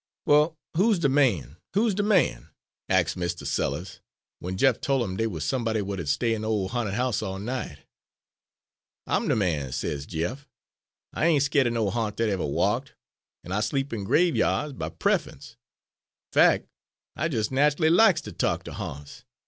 "'Well, hoo's de man hoo's de man?' ax Mistah Sellers, w'en Jeff tol' 'im dey wuz somebody wat 'ud stay in de ole ha'nted house all night. "'I'm de man,' sez Jeff. 'I ain't skeered er no ha'nt dat evuh walked, an' I sleeps in graveya'ds by pref'ence; fac', I jes nach'ly lacks ter talk ter ha'nts.